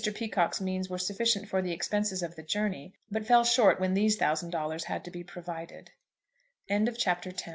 Peacocke's means were sufficient for the expenses of the journey, but fell short when these thousand dollars had to be